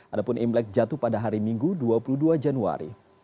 adapun imlek jatuh pada hari minggu dua puluh dua januari